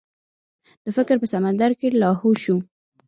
د فکر په سمندر کې لاهو شو.